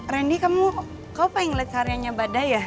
randy kamu kamu pengen liat karyanya badai ya